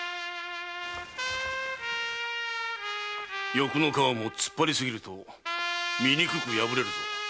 欲の皮も突っ張りすぎると醜く破れるぞ。